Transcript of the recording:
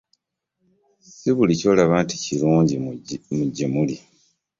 Si buli ky'olaba nti kirungi gye muli.